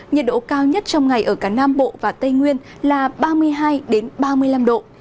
nhiệt độ cao nhất trong ngày ở cả nam bộ và tây nguyên là ba mươi hai ba mươi năm độ